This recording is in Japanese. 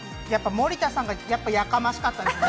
森田さんがやかましかったですね。